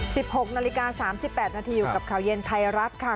หกนาฬิกาสามสิบแปดนาทีอยู่กับข่าวเย็นไทยรัฐค่ะ